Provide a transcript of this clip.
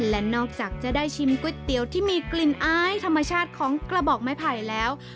และนอกจากจะได้ชิมก๋วยเตี๋ยวที่มีกลิ่นอายธรรมชาติของกระบอกไม้ไผ่แล้ว